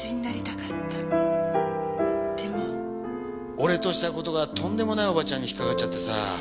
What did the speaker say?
俺とした事がとんでもないおばちゃんに引っかかっちゃってさ。